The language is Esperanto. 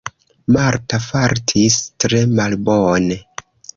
Marta fartis tre malbone.